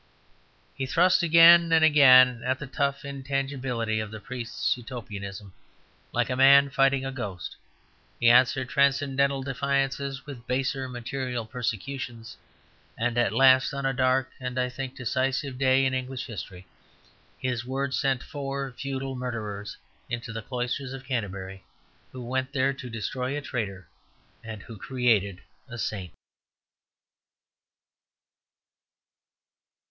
He thrust again and again at the tough intangibility of the priests' Utopianism like a man fighting a ghost; he answered transcendental defiances with baser material persecutions; and at last, on a dark and, I think, decisive day in English history, his word sent four feudal murderers into the cloisters of Canterbury, who went there to destroy a traitor and who created a saint.